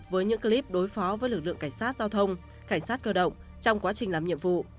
với những clip đối phó với lực lượng cảnh sát giao thông cảnh sát cơ động trong quá trình làm nhiệm vụ